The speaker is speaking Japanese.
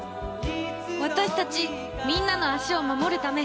私たちみんなの足を守るため行ってきます！